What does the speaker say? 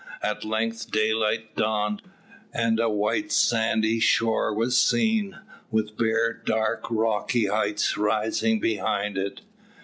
At length daylight dawned, and a white sandy shore was seen, with bare dark rocky heights rising behind it.